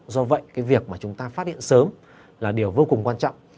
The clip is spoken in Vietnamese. do vậy cái việc mà chúng ta phát hiện sớm là điều vô cùng quan trọng